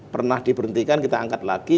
pernah diberhentikan kita angkat lagi